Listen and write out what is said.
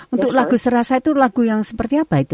untuk lagu serasa itu lagu yang seperti apa itu